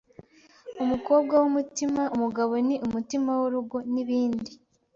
umukobwa w’umutima, umugabo ni umutima w’urugo, n’ibindi.